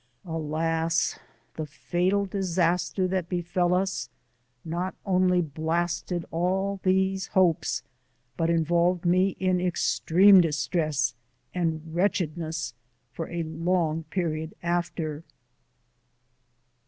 Alas! the fatal disaster that befel us, not only blasted all these hopes, but involved me in ex treme distress and wretchedness for a long period after.